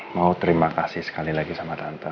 mau terima kasih sekali lagi sama tante